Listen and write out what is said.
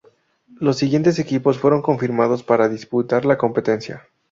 Los siguientes equipos fueron confirmados para disputar la competencia.